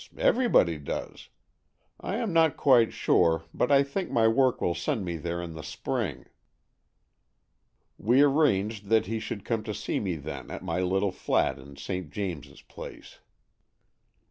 Everybody does. I am not quite sure, but I think my work will send me there in the spring." We arranged that he should come to see me then at my little flat in St. James's Place.